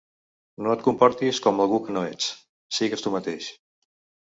No et comportis com algú que no ets, sigues tu mateix.